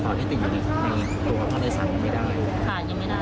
ตัวมาได้ซักหรือไม่ได้ค่ะยังไม่ได้